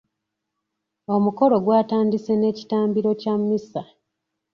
Omukolo gwatandise n'ekitambiro kya mmisa .